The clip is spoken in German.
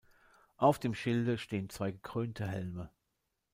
Auf dem Schilde stehen zwei gekrönte Helme.